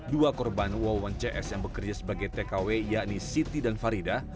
dua korban wawan cs yang bekerja sebagai tkw yakni siti dan farida